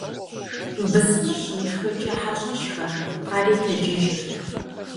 Бысымыр щымышхэкӀэ, хьэщӀэр шхэнт - ари тэджыжырт.